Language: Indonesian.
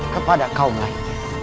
kepada kaum lain